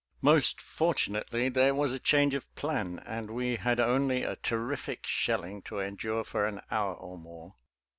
Most fortunately, there was a change of plan, and we had only a ter rific shelling to endure for an hour or more.